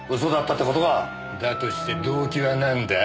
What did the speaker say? だとして動機はなんだ？